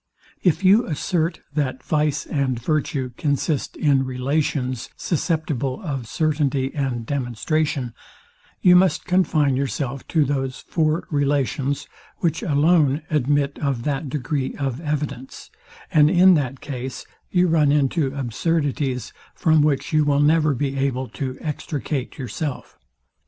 If you assert, that vice and virtue consist in relations susceptible of certainty and demonstration, you must confine yourself to those four relations, which alone admit of that degree of evidence; and in that case you run into absurdities, from which you will never be able to extricate yourself.